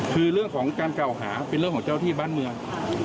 คือเรื่องของการกล่าวหาเป็นเรื่องของเจ้าที่บ้านเมือง